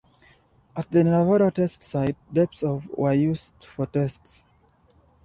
At the Nevada Test Site, depths of were used for tests.